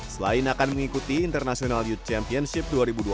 selain akan mengikuti international youth championship dua ribu dua puluh